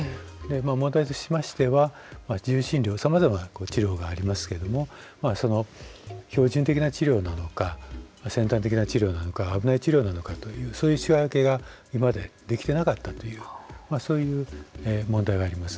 問題としましては自由診療は、さまざまな治療がありますけれども標準的な治療なのか先端的な治療なのか危ない治療なのかというそういう仕分けが今まではできてなかったというそういう問題があります。